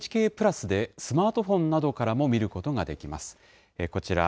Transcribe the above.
おはよう日本は、ＮＨＫプラスで、スマートフォンなどからも見ることができます。